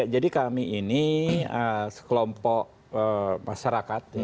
jadi kami ini sekelompok masyarakat